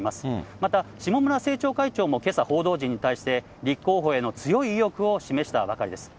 また下村政調会長もけさ、報道陣に対して、立候補への強い意欲を示したばかりです。